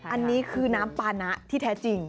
อันนี้คือน้ำปานะที่แท้จริง